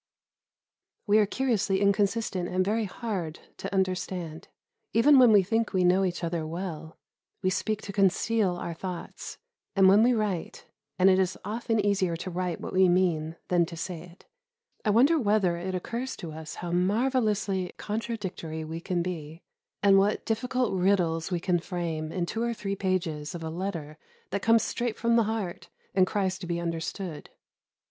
We are curiously inconsistent and very hard to understand; even when we think we know each other well, we speak to conceal our thoughts; and, when we write (and it is often easier to write what we mean than to say it) I wonder whether it occurs to us how marvellously contradictory we can be, and what difficult riddles we can frame, in two or three pages of a letter that comes straight from the heart and cries to be understood.